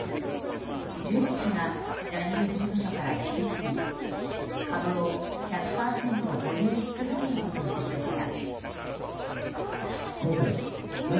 ジュリー氏がジャニーズ事務所から引き継ぎ株を１００％保有し続けることになりました。